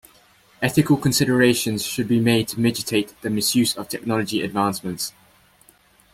Ethical considerations should be made to mitigate the misuse of technology advancements.